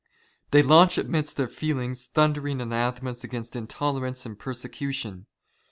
They launch amidst " their feastings thundering anathemas against intolerance " and persecution.